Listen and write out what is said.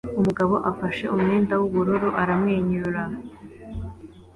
Umugabo afashe umwenda w'ubururu aramwenyura